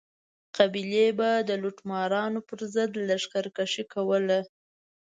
قبیلې به د لوټمارانو پر ضد لښکر کشي کوله.